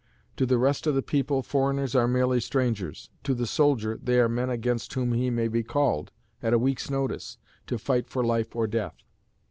To the rest of the people foreigners are merely strangers; to the soldier, they are men against whom he may be called, at a week's notice, to fight for life or death.